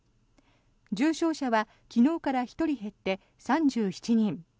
重症者は昨日から１人減って３７人。